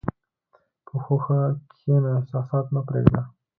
په هوښ کښېنه، احساسات مه پرېږده.